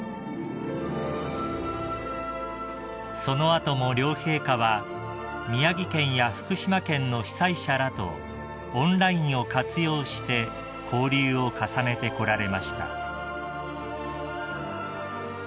［その後も両陛下は宮城県や福島県の被災者らとオンラインを活用して交流を重ねてこられました］